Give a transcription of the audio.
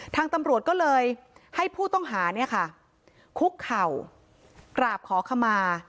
ทางตำรวจก็เลยให้ผู้ต้องหาเนี่ยค่ะคุกเข่ากราบขอขมา